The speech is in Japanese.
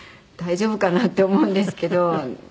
大丈夫かな？って思うんですけど。